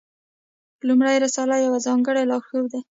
لومړۍ رساله یو ځانګړی لارښود دی.